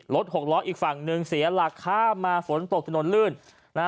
หกล้ออีกฝั่งหนึ่งเสียหลักข้ามมาฝนตกถนนลื่นนะฮะ